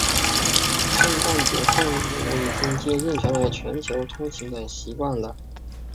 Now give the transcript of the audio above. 圣诞节送礼物已经接近成为一个全球通行的习惯了。